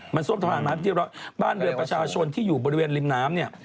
มันท่วมสะพานไม้ที่บ้านเรือประชาชนที่อยู่บริเวณริมน้ำ